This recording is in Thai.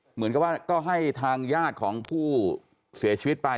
เหมือนกับว่าก็ให้ทางญาติของผู้เสียชีวิตไป